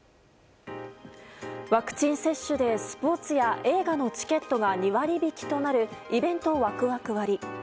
ワクチン接種でスポーツや映画のチケットが２割引きとなるイベントワクワク割。